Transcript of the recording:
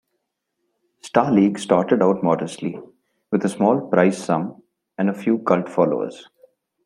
Starleague started out modestly, with a small prize sum and a few cult followers.